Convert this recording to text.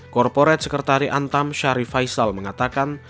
korporat sekretari antam syarif faisal mengatakan